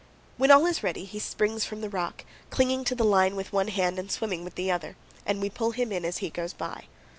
When all is ready, he springs from the rock, clinging to the line with one hand and swimming with the other, and we pull him in as he goes by.